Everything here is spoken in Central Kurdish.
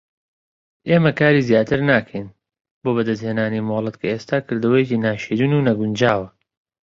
ئێمە کاری زیاتر ناکەیت بۆ بەدەستهێنانی مۆڵەت کە ئێستا کردەوەیەکی ناشرین و نەگونجاوە.